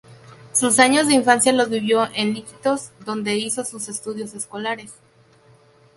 Sus años de infancia los vivió en Iquitos, donde hizo sus estudios escolares.